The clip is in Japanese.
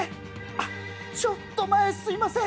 あっちょっと前すいません。